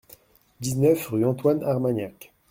dix-neuf rue Antoine Armagnac